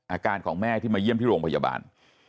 อาการของแม่ที่มาเยี่ยมที่โรงพยาบาล